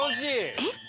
えっ？